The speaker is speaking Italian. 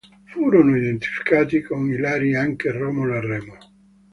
Furono identificati con i Lari anche Romolo e Remo.